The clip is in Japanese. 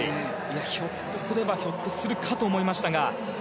ひょっとすればひょっとするかと思いましたが。